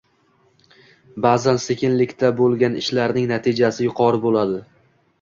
Ba'zan sekinlikda bõlgan ishlarning natijasi yuqori bõladi